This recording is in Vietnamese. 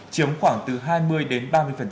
chiếm khoảng từ hai mươi đến ba mươi